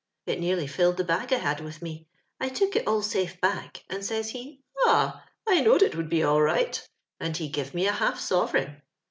It nearly filled the bag I had with me. I took it all safe back, and says ho, * Ah ! I knowed it would be all right,' and he give me a half sovereign.